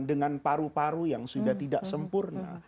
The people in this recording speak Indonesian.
dengan paru paru yang sudah tidak sempurna